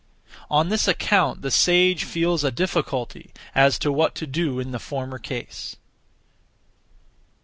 On this account the sage feels a difficulty (as to what to do in the former case).